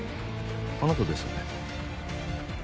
あなたですよね？